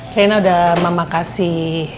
reina udah mama kasih